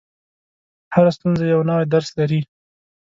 • هره ستونزه یو نوی درس لري.